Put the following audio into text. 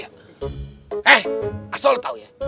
eh asal tau ya